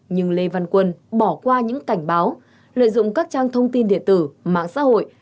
nhưng lê văn quân bỏ qua những cảnh báo lợi dụng các trang thông tin địa tử mạng xã hội